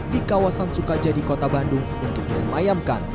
di kawasan sukajadi kota bandung untuk disemayamkan